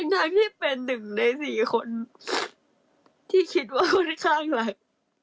ทั้งที่เป็นหนึ่งใน๔คนที่คิดว่าค่อนข้างหนัก